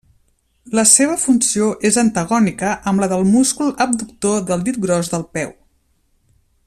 La seva funció és antagònica amb la del múscul adductor del dit gros del peu.